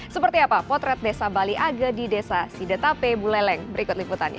seperti apa potret desa bali age di desa sidetape buleleng berikut liputannya